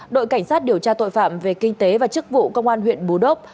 đội cảnh sát điều tra tội phạm về kinh tế và chức vụ công an huyện bù đốc